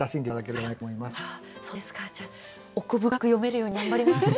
あらそうですかじゃあ奥深く読めるように頑張ります。